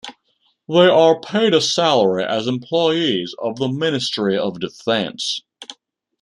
They are paid a salary as employees of the Ministry of Defense.